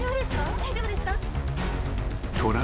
大丈夫ですか？